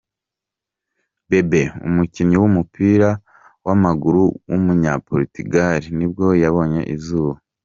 Bébé, umukinnyi w’umupira w’amaguru w’umunyaportigal nibwo yabonye izuba.